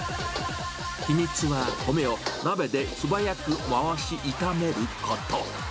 秘密は米を鍋で素早く回し炒めること。